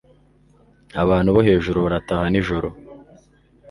Abantu bo hejuru barataha nijoro.